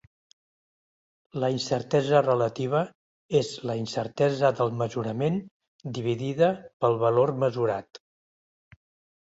La incertesa relativa és la incertesa del mesurament dividida pel valor mesurat.